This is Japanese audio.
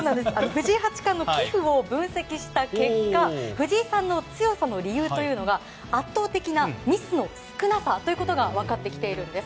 藤井八冠の棋譜を分析した結果藤井さんの強さの理由は圧倒的なミスの少なさだというのが分かってきているんです。